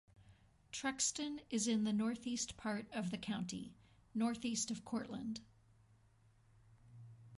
Truxton is in the northeast part of the county, northeast of Cortland.